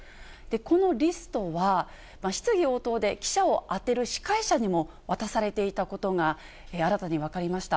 このリストは、質疑応答で記者を当てる司会者にも渡されていたことが新たに分かりました。